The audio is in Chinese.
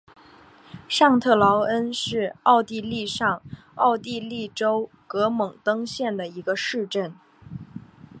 上特劳恩是奥地利上奥地利州格蒙登县的一个市镇。